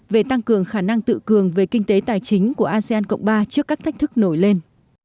về tăng cường khả năng tự cường về kinh tế tài chính của asean cộng ba trước các thách thức nổi lên